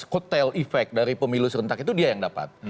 kotel efek dari pemilu serentak itu dia yang dapat